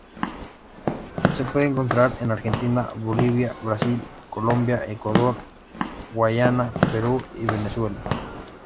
Se puede encontrar en Argentina, Bolivia, Brasil, Colombia, Ecuador, Guyana, Perú y Venezuela.